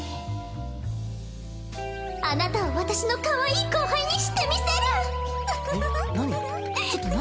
あなたを私のかわいい後輩にしてみせるえっ何？